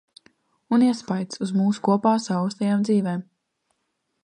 Un iespaids uz mūsu kopā saaustajām dzīvēm.